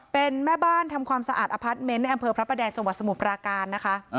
เป็นแม่บ้านทำความสะอาดอพาร์ทเมนต์ในอำเภอพระประแดงจังหวัดสมุทรปราการนะคะ